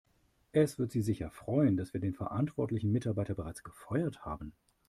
Es wird Sie sicher freuen, dass wir den verantwortlichen Mitarbeiter bereits gefeuert haben.